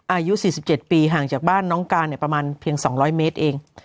อายุ๔๗ปีห่างจากบ้านน้องการประมาณเพียง๒๐๐เมตรเอง